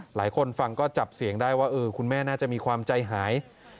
หลายคนฟังก็จับเสียงได้ว่าคุณแม่น่าจะมีความใจหาย